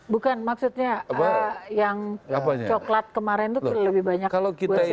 bukan maksudnya yang coklat kemarin itu lebih banyak buat siapa kira kira